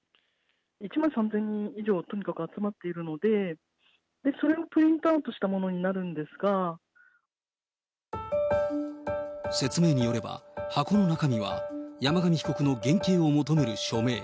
１万３０００人以上、とにかく集まっているので、それをプリントアウトしたものになる説明によれば、箱の中身は、山上被告の減軽を求める署名。